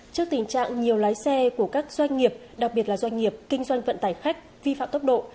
trước tình trạng nhiều lái xe của các doanh nghiệp đặc biệt là doanh nghiệp kinh doanh vận tải khách vi phạm tốc độ